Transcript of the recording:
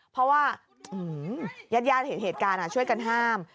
เพราะว่าญาติเห็นเหตุการณ์ช่วยกันห้าม